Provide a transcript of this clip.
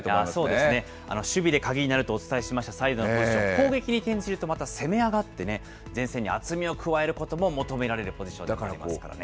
そうですね、守備で鍵になるとお伝えしました、サイドのポジション、攻撃に転じるとまた、攻め上がってね、前線に厚みを加えることを求められるポジションになりますからね。